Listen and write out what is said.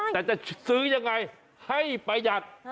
แต่จะซื้อยังไงให้ประหยัด